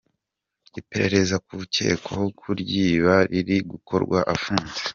Iperereza ku ukekwaho kuryiba riri gukorwa afunze.